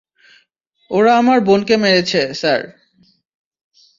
ওরা আমার বোনকে মেরেছে, স্যার।